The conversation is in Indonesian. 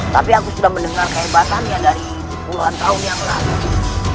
tapi aku sudah mendengar kehebatannya dari puluhan tahun yang lalu